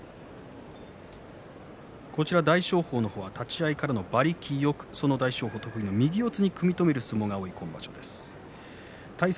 大翔鵬の方は立ち合い馬力よく得意の右四つに組み止める相撲が多い今場所です。